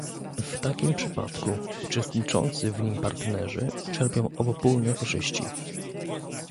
W takim przypadku uczestniczący w nim partnerzy czerpią obopólne korzyści